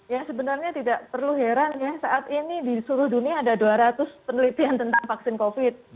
ya sebenarnya tidak perlu heran ya saat ini di seluruh dunia ada dua ratus penelitian tentang vaksin covid